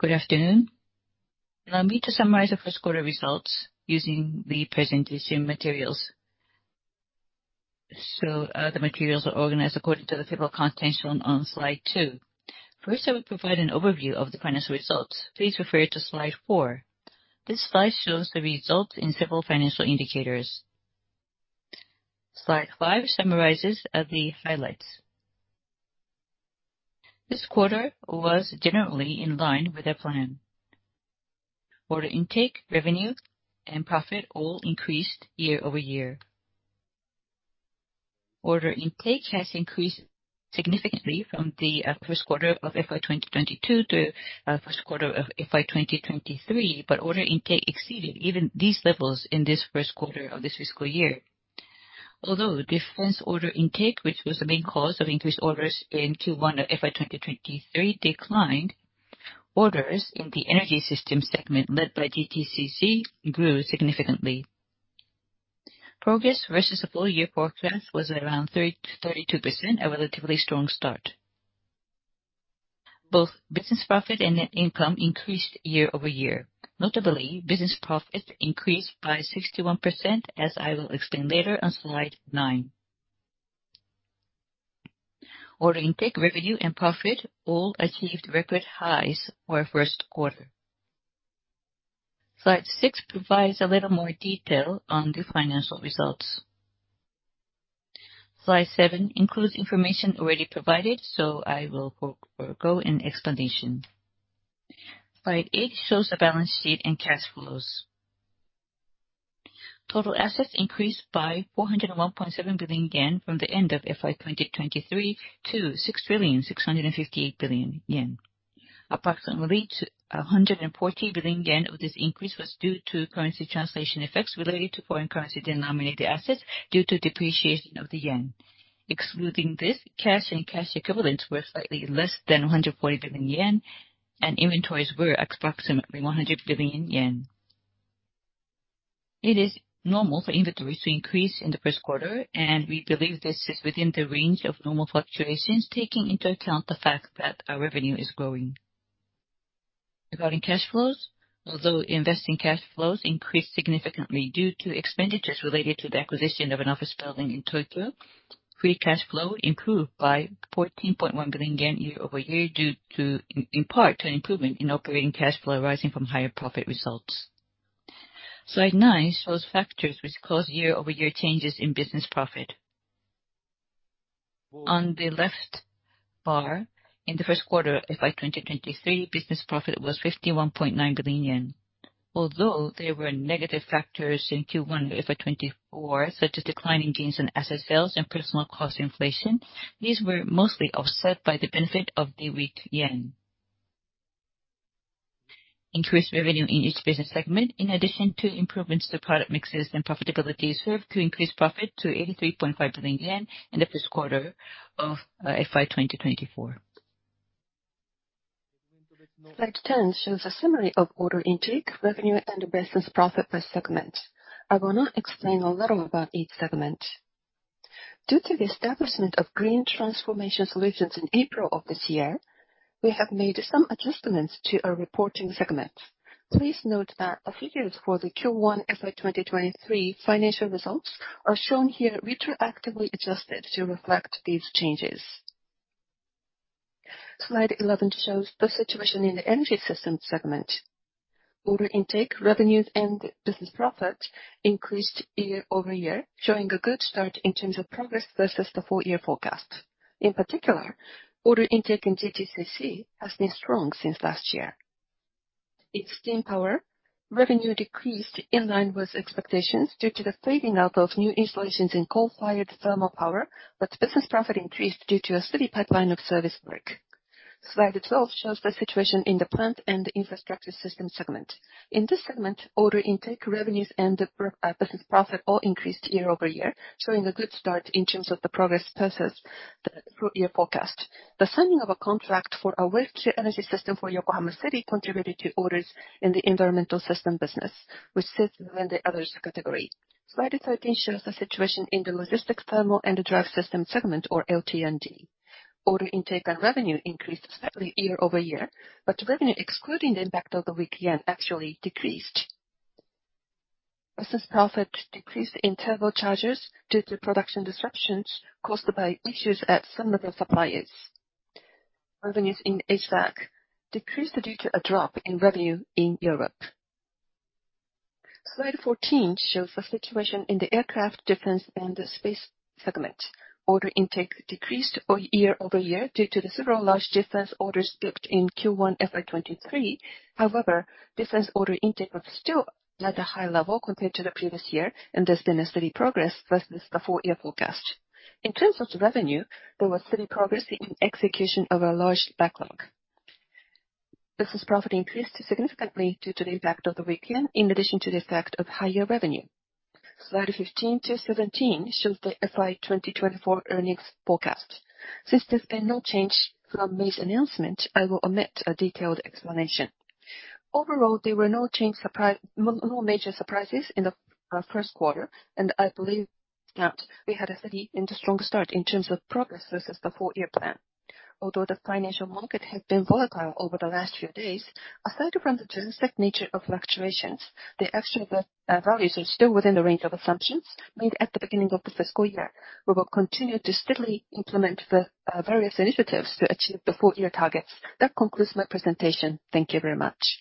Good afternoon. Allow me to summarize the first quarter results using the presentation materials. So, the materials are organized according to the table of contents shown on slide two. First, I will provide an overview of the financial results. Please refer to slide four. This slide shows the results in several financial indicators. Slide five summarizes the highlights. This quarter was generally in line with our plan. Order intake, revenue, and profit all increased year-over-year. Order intake has increased significantly from the first quarter of FY 2022 to first quarter of FY 2023, but order intake exceeded even these levels in this first quarter of this fiscal year. Although defense order intake, which was the main cause of increased orders in Q1 of FY 2023, declined, orders in the Energy Systems segment, led by GTCC, grew significantly. Progress versus the full-year forecast was around 30%-32%, a relatively strong start. Both business profit and net income increased year-over-year. Notably, business profit increased by 61%, as I will explain later on slide nine. Order intake, revenue, and profit all achieved record highs for our first quarter. Slide 6 provides a little more detail on the financial results. Slide seven includes information already provided, so I will forego an explanation. Slide eight shows the balance sheet and cash flows. Total assets increased by 401.7 billion yen from the end of FY 2023 to 6,658 billion yen. Approximately 140 billion yen of this increase was due to currency translation effects related to foreign currency denominated assets due to depreciation of the yen. Excluding this, cash and cash equivalents were slightly less than 140 billion yen, and inventories were approximately 100 billion yen. It is normal for inventories to increase in the first quarter, and we believe this is within the range of normal fluctuations, taking into account the fact that our revenue is growing. Regarding cash flows, although investing cash flows increased significantly due to expenditures related to the acquisition of an office building in Tokyo, free cash flow improved by 14.1 billion yen year-over-year, due to, in part, to an improvement in operating cash flow arising from higher profit results. Slide 9 shows factors which caused year-over-year changes in business profit. On the left bar, in the first quarter of FY 2023, business profit was 51.9 billion yen. Although there were negative factors in Q1 of FY 2024, such as declining gains in asset sales and personnel cost inflation, these were mostly offset by the benefit of the weak yen. Increased revenue in each business segment, in addition to improvements to product mixes and profitability, served to increase profit to 83.5 billion yen in the first quarter of FY 2024. Slide 10 shows a summary of order intake, revenue, and business profit by segment. I will not explain a lot about each segment. Due to the establishment of Green Transformation Solutions in April of this year, we have made some adjustments to our reporting segments. Please note that the figures for the Q1 FY 2023 financial results are shown here, retroactively adjusted to reflect these changes. Slide 11 shows the situation in the Energy Systems segment. Order intake, revenues, and business profit increased year-over-year, showing a good start in terms of progress versus the full-year forecast. In particular, order intake in GTCC has been strong since last year. In Steam Power, revenue decreased in line with expectations due to the phasing out of new installations in coal-fired thermal power, but business profit increased due to a steady pipeline of service work. Slide 12 shows the situation in the Plants and Infrastructure Systems segment. In this segment, order intake, revenues, and business profit all increased year-over-year, showing a good start in terms of the progress versus the full-year forecast. The signing of a contract for a waste-to-energy system for Yokohama City contributed to orders in the Environmental Systems business, which sits within the other category. Slide 13 shows the situation in the Logistics, Thermal, and Drive Systems segment, or LT&D. Order intake and revenue increased slightly year-over-year, but revenue excluding the impact of the weak yen actually decreased. Business profit decreased in Turbochargers due to production disruptions caused by issues at some of the suppliers. Revenues in HVAC decreased due to a drop in revenue in Europe. Slide 14 shows the situation in the Aircraft, Defense, and Space segment. Order intake decreased year-over-year due to the several large defense orders booked in Q1 FY 2023. However, defense order intake was still at a high level compared to the previous year, and there's been a steady progress versus the full-year forecast. In terms of revenue, there was steady progress in execution of a large backlog. Business profit increased significantly due to the impact of the weak yen, in addition to the effect of higher revenue. Slide 15 to 17 shows the FY 2024 earnings forecast. Since there's been no change from May's announcement, I will omit a detailed explanation. Overall, there were no change no major surprises in the first quarter, and I believe that we had a steady and a strong start in terms of progress versus the full-year plan. Although the financial market has been volatile over the last few days, aside from the generic nature of fluctuations, the actual values are still within the range of assumptions made at the beginning of the fiscal year. We will continue to steadily implement the various initiatives to achieve the full-year targets. That concludes my presentation. Thank you very much.